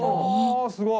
あすごい。